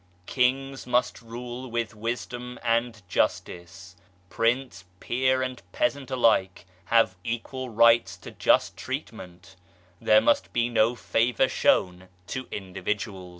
Kings must rule with wisdom and justice ; prince, peer and peasant alike have equal rights to just treat ment, there must be no favour shown to individuals.